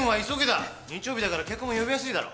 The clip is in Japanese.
日曜日だから客も呼びやすいだろ。